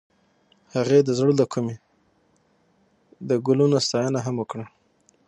هغې د زړه له کومې د ګلونه ستاینه هم وکړه.